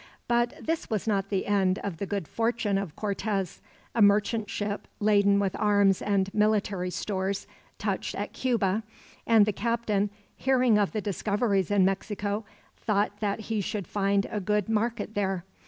But this was not the end of the good fortune of Cortez. A merchant ship, laden with arms and military stores, touched at Cuba; and the captain, hearing of the discoveries in Mexico, thought that he should find a good market there.